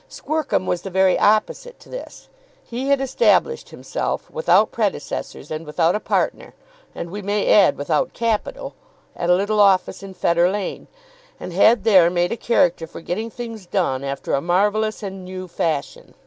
Squercum was the very opposite to this. He had established himself, without predecessors and without a partner, and we may add without capital, at a little office in Fetter Lane, and had there made a character for getting things done after a marvellous and new fashion.